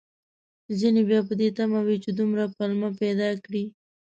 ځينې بيا په دې تمه وي، چې دومره پلمه پيدا کړي